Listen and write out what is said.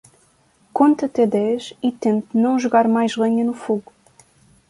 Conte até dez e tente não jogar mais lenha no fogo.